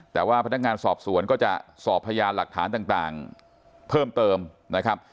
แต่ว่าพนักงานสอบสวนก็จะสอบพยานหลักฐานต่างเพิ่มเติมนะครับ